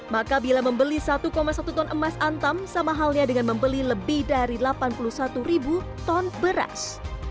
maka bila membeli satu satu ton emas antam sama halnya dengan membeli lebih dari delapan puluh satu ribu ton beras